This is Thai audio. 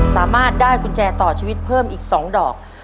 สามารถได้กุญแจต่อชีวิตเพิ่มอีก๒ดอก